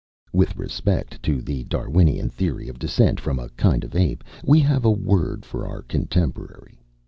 With respect to "the Darwinian theory of descent from a kind of ape," we have a word for our contemporary.